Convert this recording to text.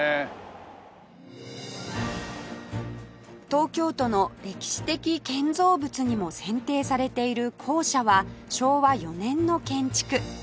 東京都の歴史的建造物にも選定されている校舎は昭和４年の建築